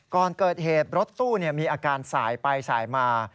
ก่อนเกิดเหตุรถตู้มีอาการสายไปสายมา